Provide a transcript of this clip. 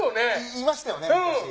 いましたよね昔。